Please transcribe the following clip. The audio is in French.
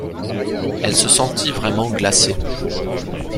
Elle se sentit vraiment glacée.